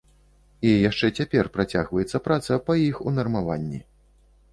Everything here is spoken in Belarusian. І яшчэ цяпер працягваецца праца па іх унармаванні.